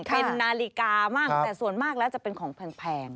เป็นนาฬิกามั่งแต่ส่วนมากแล้วจะเป็นของแพง